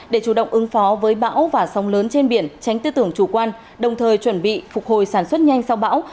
để chủ động ứng phó với bão và sông lớn trên biển tránh tư tưởng chủ quan đồng thời chuẩn bị phục hồi sản xuất nhanh sau bão